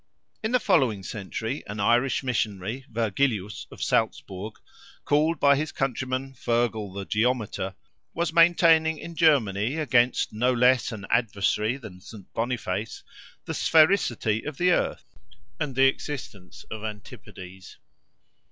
In the following century an Irish Missionary, Virgilius, of Saltzburgh, (called by his countrymen "Feargal, the Geometer,") was maintaining in Germany against no less an adversary than St. Boniface, the sphericity of the earth and the existence of antipodes.